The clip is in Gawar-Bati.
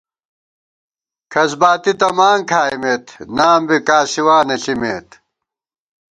کھسباتی تہ ماں کھائیمېت ، نام بی کاسِوانہ ݪِمېت